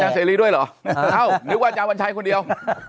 อาจารย์เศรีด้วยเหรออ้าวนึกว่าอาจารย์วันชัยคนเดียว